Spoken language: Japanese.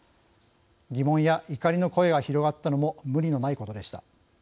疑問や怒りの声が広がったのも無理のないことでした。